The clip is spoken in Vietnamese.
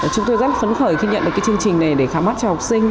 chúng tôi rất phấn khởi khi nhận được cái chương trình này để khám mắt cho học sinh